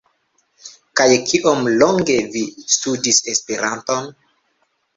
Kaj kiom longe vi studis Esperanton?